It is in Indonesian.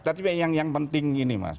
tapi yang penting ini mas